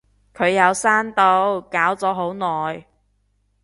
佢有刪到，搞咗好耐